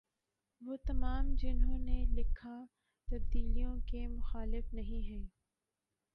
وہ تمام جنہوں نے لکھا تبدیلیوں کے مخالف نہیں ہیں